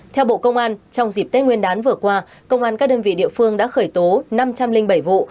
theo bộ công an trong dịp tết nguyên đán vừa qua công an các đơn vị địa phương đã khởi tố năm trăm linh bảy vụ